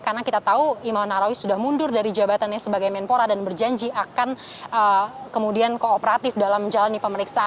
karena kita tahu imam nahrawi sudah mundur dari jabatannya sebagai menpora dan berjanji akan kemudian kooperatif dalam jalan di pemerintah